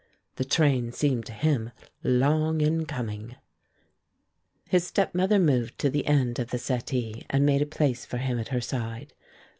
The train seemed to him long in coming. His stepmother moved to the end of the settee and made a place for him at her side.